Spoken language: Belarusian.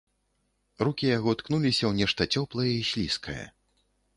Рукі яго ткнуліся ў нешта цёплае і слізкае.